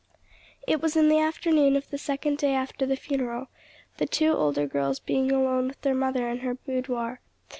It was in the afternoon of the second day after the funeral, the two older girls being alone with their mother in her boudoir.